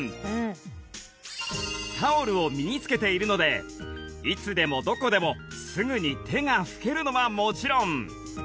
タオルを身につけているのでいつでもどこでもすぐに手が拭けるのはもちろん